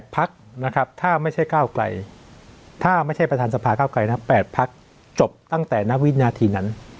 พักนะครับถ้าไม่ใช่ก้าวไกลถ้าไม่ใช่ประธานสภาเก้าไกลนะ๘พักจบตั้งแต่ณวินาทีนั้น